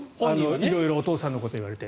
色々お父さんのことを言われて。